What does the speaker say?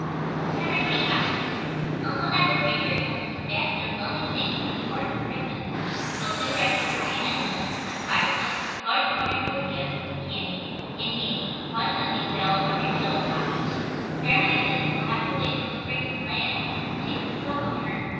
December 25. Uncle Edward Richards sent us a basket of lovely things from New York for Christmas. Books and dresses for Anna and me, a kaleidoscope, large cornucopias of candy, and games, one of them being battledore and shuttlecock. Grandmother says we will have to wait until spring to play it, as it takes so much room.